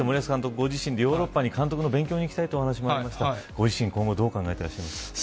ご自身でヨーロッパに監督の勉強に行きたいというお話ありましたご自身、今後どう考えてますか。